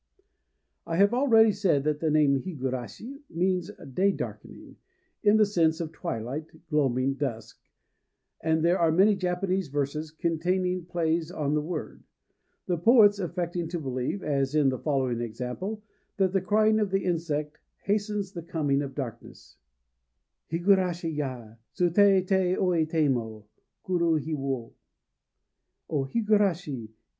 I have already said that the name higurashi means "day darkening," in the sense of twilight, gloaming, dusk; and there are many Japanese verses containing plays on the word, the poets affecting to believe, as in the following example, that the crying of the insect hastens the coming of darkness: Higurashi ya! Sutétéoitémo Kururu hi wo. O Higurashi!